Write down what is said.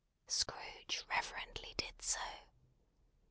Scrooge reverently did so.